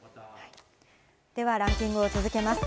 ではランキングを続けます。